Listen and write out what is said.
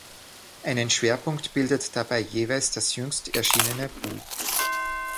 Einen Schwerpunkt bildet dabei jeweils das jüngst erschienene Buch.